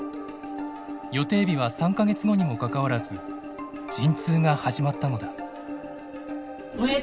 予定日は３か月後にもかかわらず陣痛が始まったのだ。